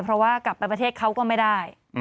เพราะว่ากลับไปประเทศเขาก็ไม่ได้